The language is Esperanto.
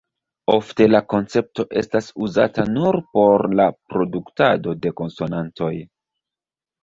Ofte la koncepto estas uzata nur por la produktado de konsonantoj.